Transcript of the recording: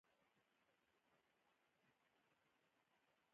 زه غواړم چي ساینس ښه سم زده کړم.